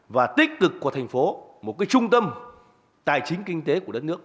và tích cực của thành phố một trung tâm tài chính kinh tế của đất nước